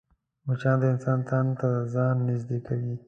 مچان د انسان تن ته ځان نږدې کوي